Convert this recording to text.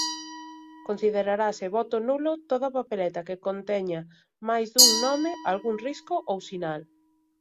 Considerarase voto nulo toda papeleta que conteña máis dun nome, algún risco ou sinal.